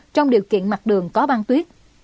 trong điều kiện mặt đường có băng tuyết